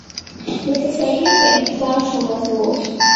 د پسرلي په انتظار شومه زوړ